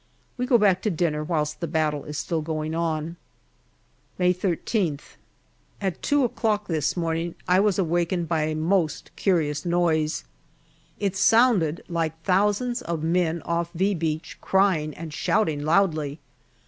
We go back to dinner whilst the battle is still going on. May I3th. At two o'clock this morning I was awakened by a most curious noise. It sounded like thousands of men off " V " Beach crying and shouting loudly.